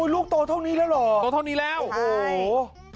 ลูกโตเท่านี้แล้วเหรอ